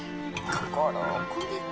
心を込めるって。